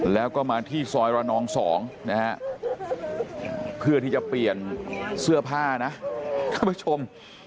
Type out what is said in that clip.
แล้วก็มาที่ซอยระนอง๒นะฮะเพื่อที่จะเปลี่ยนเสื้อผ้านะท่านผู้ชม